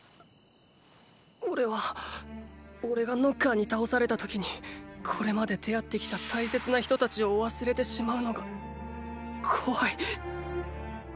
おれはおれがノッカーに倒された時にこれまで出会ってきた大切な人たちを忘れてしまうのが怖い。